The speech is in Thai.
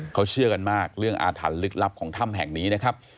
เขาเชื่อกันมากเรื่องอาถรรพ์ลึกลับของถ้ำแห่งนี้นะครับ